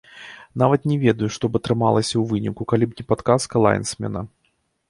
Нават не ведаю, што б атрымалася ў выніку, калі б не падказка лайнсмена.